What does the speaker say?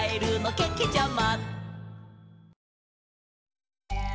けけちゃま！